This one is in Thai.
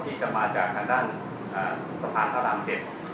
มันจะมาจากทางด้านสะพานทะลำเจ็บ